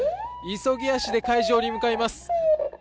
急ぎ足で会場に向かいます。